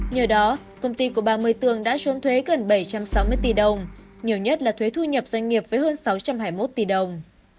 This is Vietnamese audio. nhờ đó công ty của bà nguy tường đã trốn thuế gần bảy trăm sáu mươi tỷ đồng nhiều nhất là thuế thu nhập doanh nghiệp với hơn sáu trăm hai mươi một tỷ đồng